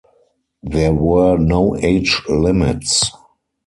There were no age limits.